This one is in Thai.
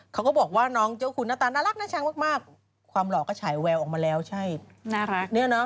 เขาก็บอกว่าน้องเจ้าคุณหน้าตาน่ารักน่าชังมากความหล่อก็ฉายแววออกมาแล้วใช่น่ารัก